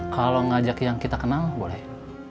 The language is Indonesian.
kalau ngajak yang kita kenal boleh